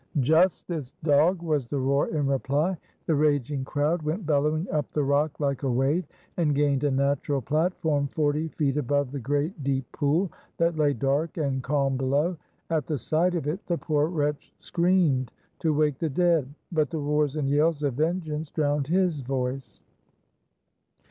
"Justice! dog," was the roar in reply. The raging crowd went bellowing up the rock like a wave, and gained a natural platform forty feet above the great deep pool that lay dark and calm below. At the sight of it, the poor wretch screamed to wake the dead, but the roars and yells of vengeance drowned his voice.